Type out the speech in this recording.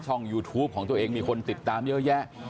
ยูทูปของตัวเองมีคนติดตามเยอะแยะ